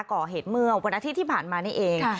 ก่อเหตุเมืองประณะที่ที่ผ่านมานี่เอง